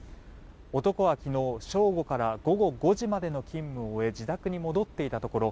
男は昨日正午から午後５時までの勤務を終え自宅に戻っていたところ